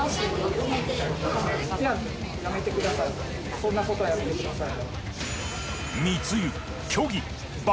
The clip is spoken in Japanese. そんなことは止めて下さい。